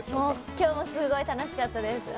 今日もすごい楽しかったです。